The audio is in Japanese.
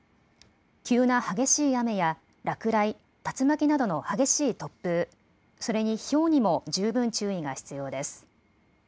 急な激しい雨や落雷、竜巻などの激しい突風、それにひょうにも十分注意が必要です。